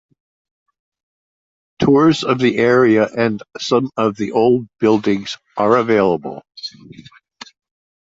Tours of the area and some of the old buildings are available.